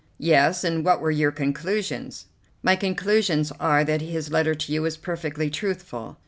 "Yes, and what were your conclusions?" "My conclusions are that his letter to you was perfectly truthful.